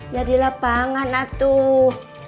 ya di lapangan atuh